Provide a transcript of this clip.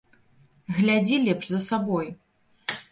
Глядзі лепш за сабой!